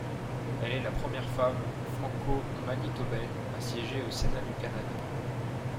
Elle est la première femme franco-manitobaine à siéger au Sénat du Canada.